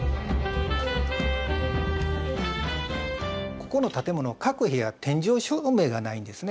ここの建物各部屋天井照明がないんですね。